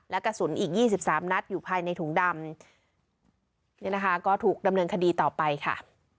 และกระสุนอีกยี่สิบสามนัดอยู่ภายในถุงดำนี่นะคะก็ถูกดำเนินคดีต่อไปค่ะ